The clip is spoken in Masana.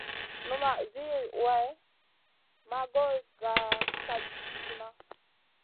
Numaʼ vi way maʼ goy ga kat tina.